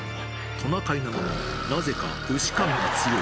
トナカイなのに、なぜか牛感が強い。